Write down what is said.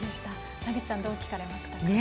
田口さん、どう聞かれましたか？